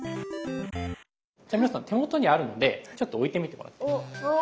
じゃあ皆さん手元にあるのでちょっと置いてみてもらって。